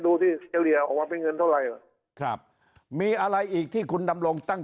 ดูที่เอเรียออกมาเป็นเงินเท่าไหร่ครับมีอะไรอีกที่คุณดำรงตั้ง